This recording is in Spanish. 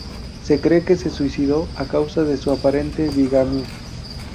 Se cree que se suicidó, a causa de su aparente bigamia.